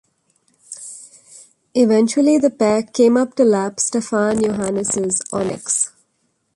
Eventually, the pair came up to lap Stefan Johansson's Onyx.